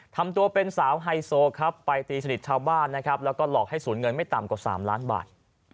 ทำตัวเป็นสาวไฮโซครับไปตีสนิทชาวบ้านนะครับแล้วก็หลอกให้สูญเงินไม่ต่ำกว่า๓ล้านบาท